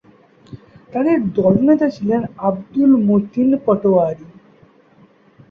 তাদের দলনেতা ছিলেন আবদুল মতিন পাটোয়ারী।